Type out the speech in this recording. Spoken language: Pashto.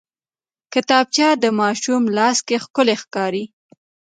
کتابچه د ماشوم لاس کې ښکلي ښکاري